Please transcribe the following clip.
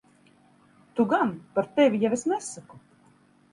Tu gan. Par tevi jau es nesaku.